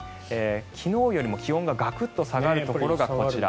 昨日よりも気温がガクッと下がるところがこちら。